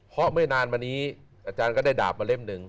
เพราะไม่นานมานี้อาจารย์ก็ได้ดาบมาเล่มหนึ่ง